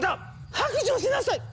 白状しなさい！